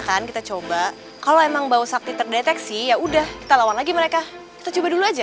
kan kita coba kalau emang bau sakti terdeteksi ya udah kita lawan lagi mereka kita coba dulu aja